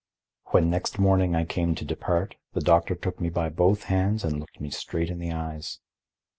When next morning I came to depart, the doctor took me by both hands and looked me straight in the eyes.